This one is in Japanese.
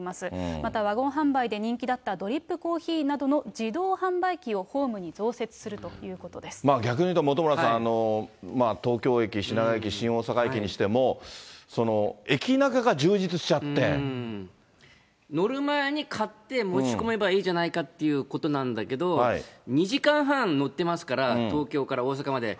またワゴン販売で人気だったドリップコーヒーなどの自動販売機をまあ、逆に言うと、本村さん、東京駅、品川駅、新大阪駅にしても、乗る前に買って、持ち込めばいいじゃないかということなんだけど、２時間半乗ってますから、東京から大阪まで。